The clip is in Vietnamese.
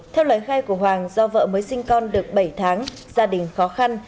theo lời khai của hoàng do vợ mới sinh con được bảy tháng gia đình khó khăn